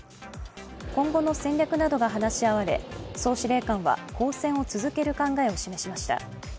今後の戦略などが話し合われ、総司令官は抗戦を続ける考えを示しました。